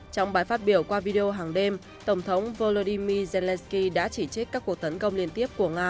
trong bài phát biểu qua video hàng đêm tổng thống volodymyr zelensky đã chỉ trích các cuộc tấn công liên tiếp của nga